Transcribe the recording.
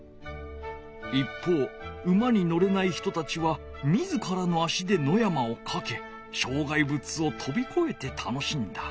一方馬にのれない人たちは自らの足で野山をかけ障害物をとびこえて楽しんだ。